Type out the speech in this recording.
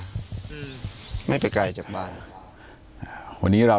ที่มีข่าวเรื่องน้องหายตัว